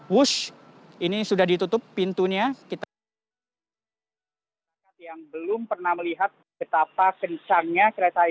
wus ini sudah ditutup pintunya